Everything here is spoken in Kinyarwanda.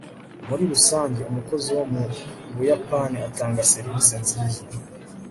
muri rusange, umukozi wo mu buyapani atanga serivisi nziza